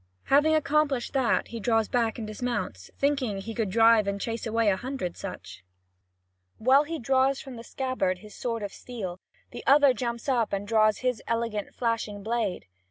Having accomplished that, he draws back and dismounts, thinking he could drive and chase away a hundred such. While he draws from the scabbard his sword of steel, the other jumps up and draws his excellent flashing blade.